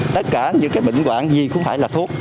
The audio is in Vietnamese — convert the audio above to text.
tất cả những cái bệnh quạng gì không phải là thuốc